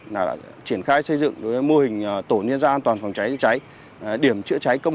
là triển khai xây dựng đối với mô hình tổ nhiên gia an toàn phòng cháy chữa cháy điểm chữa cháy công